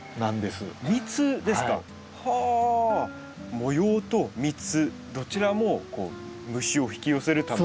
模様と蜜どちらも虫を引き寄せるため。